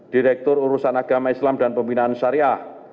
direktur urusan agama islam dan pembinaan syariah